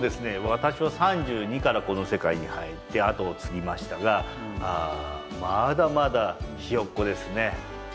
私は３２からこの世界に入って後を継ぎましたがまだまだひよっこですね。